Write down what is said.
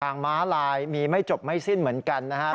ม้าลายมีไม่จบไม่สิ้นเหมือนกันนะครับ